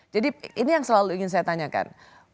jadi ini yang selalu ingin saya tanyakan